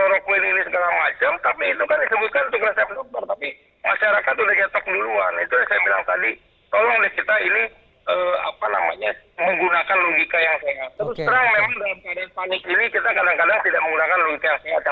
terus sekarang memang dalam kondisi panik ini kita kadang kadang tidak menggunakan logika sehat yang pernah tadi